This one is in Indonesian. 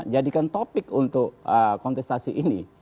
jadikan topik untuk kontestasi ini